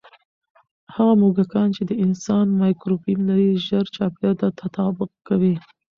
هغه موږکان چې د انسان مایکروبیوم لري، ژر چاپېریال ته تطابق کوي.